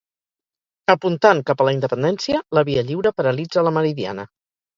Apuntant cap a la Independència, la Via Lliure paralitza la Meridiana.